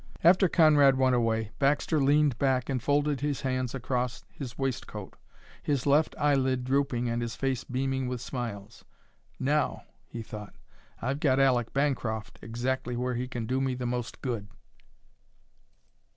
After Conrad went away, Baxter leaned back and folded his hands across his waist coat, his left eyelid drooping and his face beaming with smiles. "Now," he thought, "I've got Aleck Bancroft exactly where he can do me the most good!"